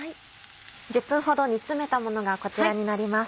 １０分ほど煮詰めたものがこちらになります。